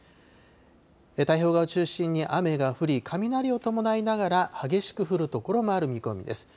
太平洋側を中心に雨が降り、雷を伴いながら、激しく降る所もある見込みです。